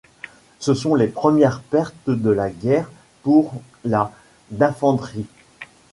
Ce sont les premières pertes de la guerre pour la d'infanterie.